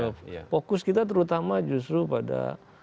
ya fokus kita terutama justru pada